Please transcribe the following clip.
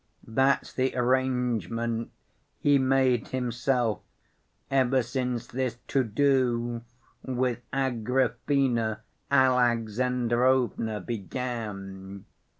That's the arrangement he made himself ever since this to‐do with Agrafena Alexandrovna began.